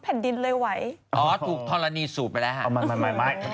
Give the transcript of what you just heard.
เพราะว่าคุณปัญญาก็มาคุยกับพี่ตุ๊กกี้ว่าเราอยากให้โอกาสลองเด็กใหม่มามีบทบาท